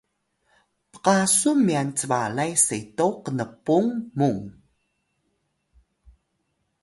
pqasun myan cbalay seto knpung mung